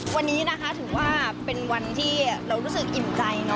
วันนี้นะคะถือว่าเป็นวันที่เรารู้สึกอิ่มใจ